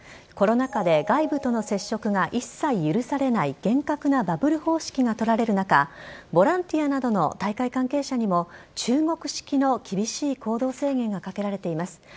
コロナ禍で外部との接触が一切許されない厳格なバブル方式が取られる中ボランティアなどの大会関係者にも中国式の厳しい行動制限がかけられています。